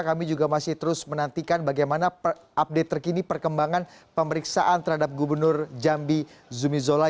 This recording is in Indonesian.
kami juga masih terus menantikan bagaimana update terkini perkembangan pemeriksaan terhadap gubernur jambi zumi zola